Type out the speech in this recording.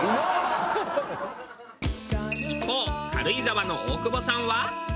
一方軽井沢の大久保さんは。